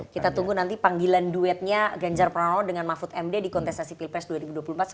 kita tunggu nanti panggilan duetnya ganjar pranowo dengan mahfud md di kontestasi pilpres dua ribu dua puluh empat